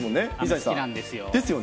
好きなんですよ。